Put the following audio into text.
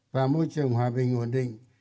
và môi trường hòa bình ổn định